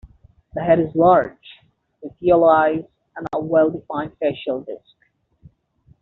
The head is large, with yellow eyes and a well-defined facial disc.